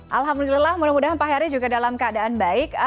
alhamdulillah mudah mudahan pak heri juga dalam keadaan baik